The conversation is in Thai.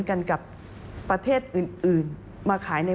ประกอบกับต้นทุนหลักที่เพิ่มขึ้น